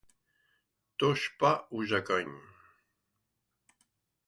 Touche pas, ou je cogne!